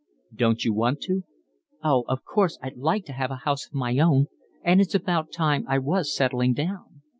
"Don't you want to?" "Oh, of course I'd like to have a house of my own, and it's about time I was settling down."